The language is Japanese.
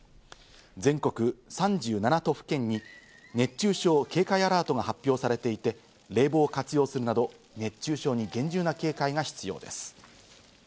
全国３７都府県に熱中症警戒アラートが発表されていて、冷房を活用するなど熱中症に厳重な警戒が必要です。